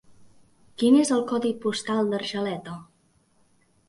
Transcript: Quin és el codi postal d'Argeleta?